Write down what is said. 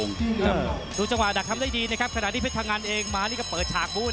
ครับตามต่อยกที่สามครับ